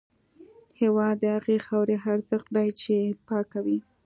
هېواد د هغې خاورې ارزښت دی چې پاکه وي.